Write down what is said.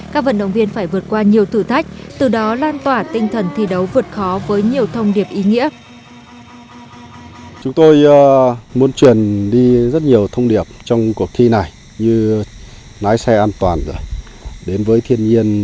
các vận động viên phải vượt qua nhiều thử thách từ đó lan tỏa tinh thần thi đấu vượt khó với nhiều thông điệp ý nghĩa